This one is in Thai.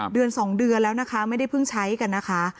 เดือน๒เดือนแล้วนะคะไม่ได้เพิ่งใช้กันนะคะ